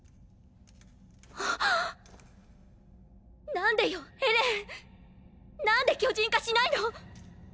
何でよエレン⁉何で巨人化しないの⁉